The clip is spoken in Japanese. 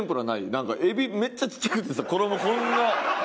なんかエビめっちゃちっちゃくてさ衣こんな。